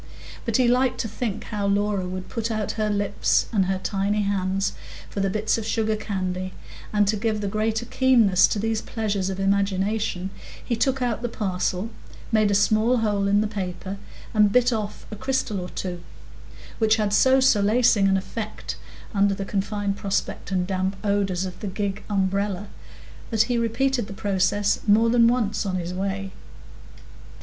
But he liked to think how Laura would put out her lips and her tiny hands for the bits of sugarcandy; and to give the greater keenness to these pleasures of imagination, he took out the parcel, made a small hole in the paper, and bit off a crystal or two, which had so solacing an effect under the confined prospect and damp odors of the gig umbrella, that he repeated the process more than once on his way.